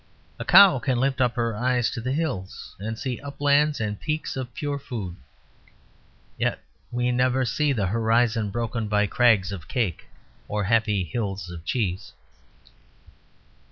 A cow can lift up her eyes to the hills and see uplands and peaks of pure food. Yet we never see the horizon broken by crags of cake or happy hills of cheese.